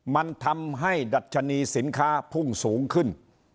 มันทำให้ดัชนีสินค้าพุ่งสูงขึ้น